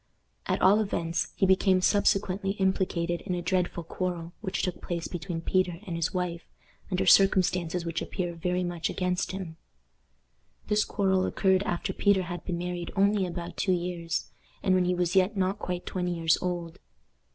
At all events, he became subsequently implicated in a dreadful quarrel which took place between Peter and his wife, under circumstances which appear very much against him. This quarrel occurred after Peter had been married only about two years, and when he was yet not quite twenty years old.